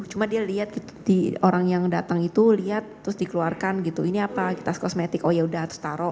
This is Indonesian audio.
cuma dia lihat orang yang datang itu lihat terus dikeluarkan gitu ini apa tas kosmetik oh yaudah terus taruh